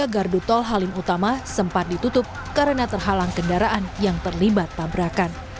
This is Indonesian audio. gardu tol halim utama sempat ditutup karena terhalang kendaraan yang terlibat tabrakan